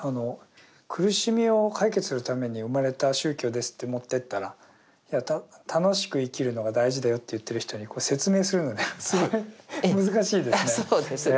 苦しみを解決するために生まれた宗教ですって持ってったら楽しく生きるのが大事だよって言ってる人に説明するのが難しいですね。